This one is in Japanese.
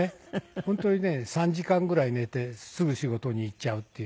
本当にね３時間ぐらい寝てすぐ仕事に行っちゃうっていう。